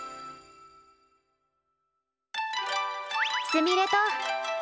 すみれと。